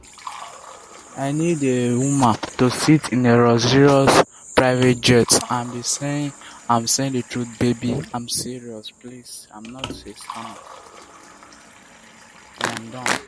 He is a psychologist and university lecturer by profession, with a PhD.